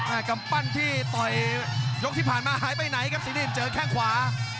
กำปั้นที่ต่อยยกที่ผ่านมาหายไปไหนครับสีดินเจอแข้งขวา